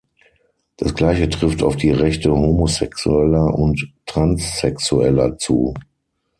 Das Gleiche trifft auf die Rechte Homosexueller und Transsexueller zu.